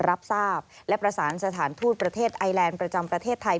รับทราบและประสานสถานทูตประเทศไอแลนด์ประจำประเทศไทย